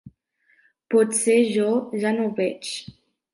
Potser jo ja no veig.